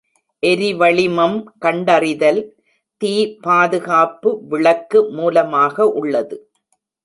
எரிவளிமம் கண்டறிதல் தீ பாதுகாப்பு விளக்கு மூலமாக உள்ளது.